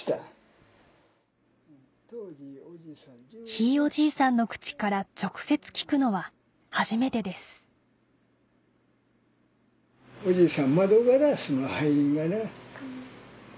ひいおじいさんの口から直接聞くのは初めてですほいで。